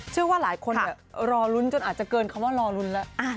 เชื่อว่าหลายคนรอลุ้นจนอาจจะเกินคำว่ารอลุ้นแล้ว